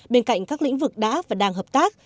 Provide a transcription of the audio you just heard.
bên cạnh các lĩnh vực đã và đang hợp tác